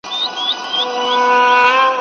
دا په جرګو کي د خبرو قدر څه پیژني